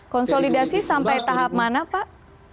konsolidasi sampai tahap mana pak